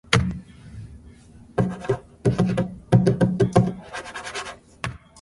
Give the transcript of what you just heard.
"Appaloosa" was never officially announced but it did see very limited circulation.